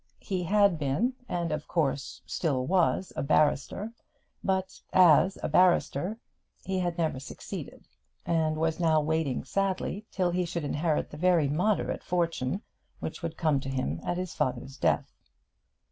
He had been, and of course still was, a barrister; but as a barrister he had never succeeded, and was now waiting sadly till he should inherit the very moderate fortune which would come to him at his father's death.